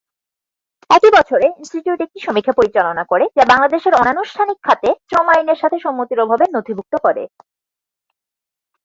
একই বছরে, ইনস্টিটিউট একটি সমীক্ষা পরিচালনা করে যা বাংলাদেশের অনানুষ্ঠানিক খাতে শ্রম আইনের সাথে সম্মতির অভাবের নথিভুক্ত করে।